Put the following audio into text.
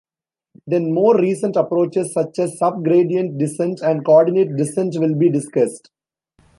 Then, more recent approaches such as sub-gradient descent and coordinate descent will be discussed.